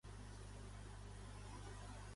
Amb quins guardons va estar reconeguda la seva labor?